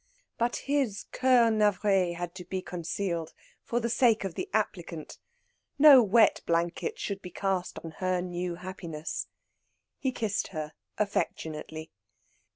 But his coeur navré had to be concealed, for the sake of the applicant; no wet blanket should be cast on her new happiness. He kissed her affectionately.